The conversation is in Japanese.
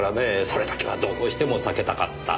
それだけはどうしても避けたかった。